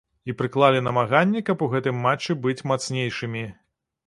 І прыклалі намаганні, каб у гэтым матчы быць мацнейшымі.